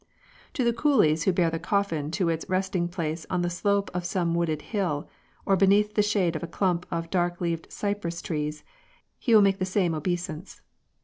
To the coolies who bear the coffin to its resting place on the slope of some wooded hill, or beneath the shade of a clump of dark leaved cypress trees, he will make the same obeisance.